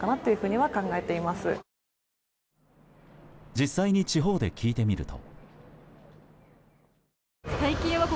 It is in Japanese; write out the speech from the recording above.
実際に地方で聞いてみると。